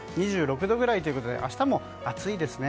２６度くらいということで明日も暑いですね。